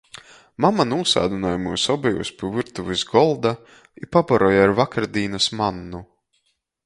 Mama nūsādynoj myus obejus pi vyrtuvis golda i pabaroj ar vakardīnys mannu.